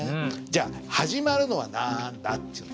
じゃあ始まるのはなんだ？っていう。